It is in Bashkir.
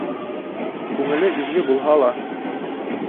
Күңеле изге булһа ла